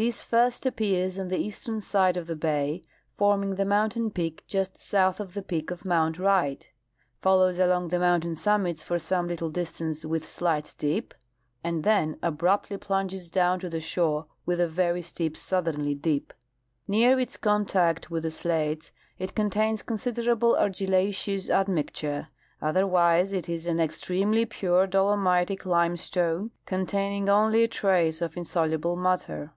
This first appears on the eastern side of the bay, form ing the mountain peak just south of the peak of mount A\^right, follows along the mountain summits for some little distance with slight dip. and then abruptly plunges down to the shore with a very steep southerly dip. Near its contact with the slates it con tains considerable argillaceous admixture ; otherwise it is an ex tremely pure dolomitic limestone, containing only a trace of insoluble matter.